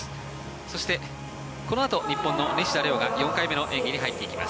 そして、このあと日本の西田玲雄が４回目の演技に入ってきます。